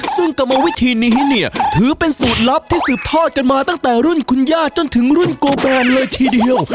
ซึ่งกรรมวิธีนี้เนี่ยถือเป็นสูตรลับที่สืบทอดกันมาตั้งแต่รุ่นคุณย่าจนถึงรุ่นโกแบนเลยทีเดียว